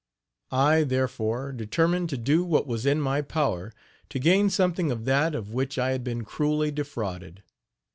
I, therefore, determined to do what was in my power to gain something of that of which I had been cruelly defrauded.